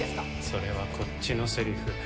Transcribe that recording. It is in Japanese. それはこっちのセリフ。